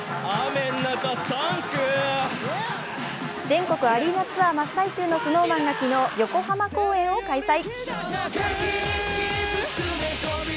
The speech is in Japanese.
全国アリーナツアー真っ最中のＳｎｏｗＭａｎが昨日昨日横浜公演を開催。